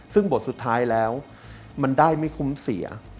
ซึ่งบทสุดท้ายแล้วมันได้ไม่คุ้มเสีย